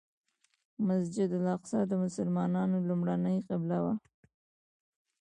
مسجد الاقصی د مسلمانانو لومړنۍ قبله وه.